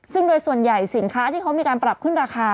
ซึ่งโดยส่วนใหญ่สินค้าที่เขามีการปรับขึ้นราคา